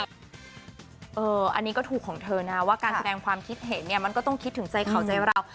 อันนี้ก็ถูกของเธอนะว่าการแสดงความคิดเห็นเนี่ยมันก็ต้องคิดถึงใจเขาใจเรา